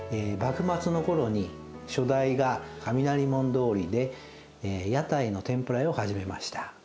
幕末の頃に初代が雷門通りで屋台の天ぷら屋を始めました。